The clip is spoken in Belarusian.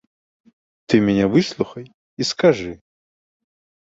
Ты мяне выслухай і скажы.